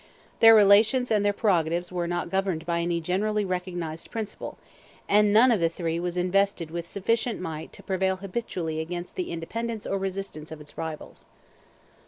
Their relations and their prerogatives were not governed by any generally recognized principle, and none of the three was invested with sufficient might to prevail habitually against the independence or resistance of its rivals.